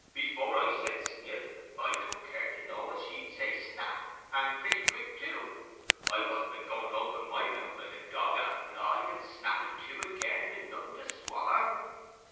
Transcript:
"Before I said "sniff", I took care to know as she'd say "snaff", and pretty quick too. I wasn't a going to open my mouth, like a dog at a fly, and snap it to again, wi' nothing to swaller."